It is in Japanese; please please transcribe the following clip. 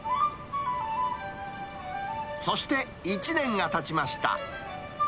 そして１年がたちました。